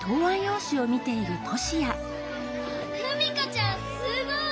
史佳ちゃんすごい！